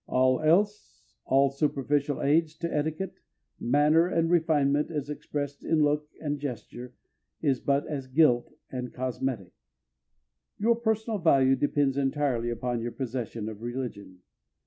All else, all superficial aids to etiquette, manner, and refinement as expressed in look and gesture, is but as gilt and cosmetic. Your personal value depends entirely upon your possession of religion.